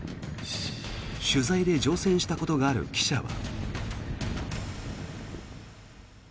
取材で乗船したことがある記者は。